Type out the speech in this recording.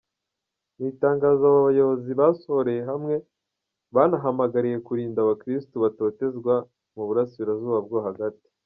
Mu itangazo abo bayobozi basohoreye hamwe banahamagariye kurinda abakirisitu batotezwa mu Burasirazuba bwo hagati.